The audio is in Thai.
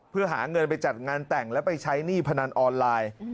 เพื่อหาเงินไปจัดงานแต่งแล้วไปใช้หนี้พนันออนไลน์